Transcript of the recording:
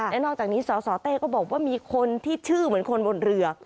และนอกจากนี้สสเต้ก็บอกว่ามีคนที่ชื่อเหมือนคนบนเรือ